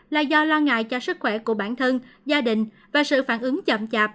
là do lo ngại cho sức khỏe của bản thân gia đình và sự phản ứng chậm chạp